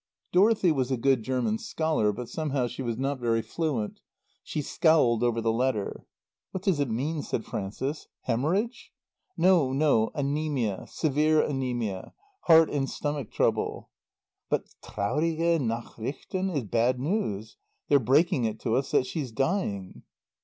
Dorothy was a good German scholar, but somehow she was not very fluent. She scowled over the letter. "What does it mean?" said Frances. "Hæmorhage?" "No. No. Anæmia. Severe anæmia. Heart and stomach trouble." "But 'traurige Nachrichten' is 'bad news.' They're breaking it to us that she's dying."